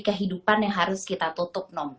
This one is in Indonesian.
kehidupan yang harus kita tutup nong